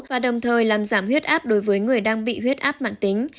và đồng thời làm giảm huyết áp đối với người đang bị huyết áp mạng tính